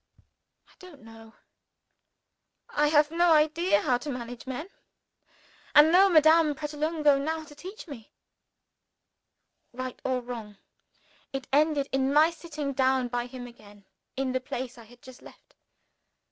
I don't know! I have no idea how to manage men and no Madame Pratolungo now to teach me. Right or wrong, it ended in my sitting down by him again in the place which I had just left.